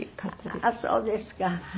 あっそうですか。